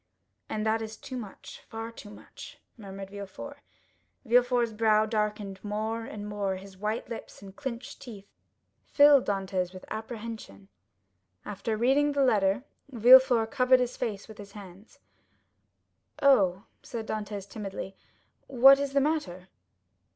"And that was too much, far too much," murmured Villefort. Villefort's brow darkened more and more, his white lips and clenched teeth filled Dantès with apprehension. After reading the letter, Villefort covered his face with his hands. "Oh," said Dantès timidly, "what is the matter?"